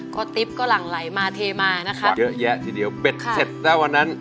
ก็ติ๊บก็หลั่งไหลมาเทมานะคะเยอะแยะทีเดียวเบ็ดเสร็จนะวันนั้น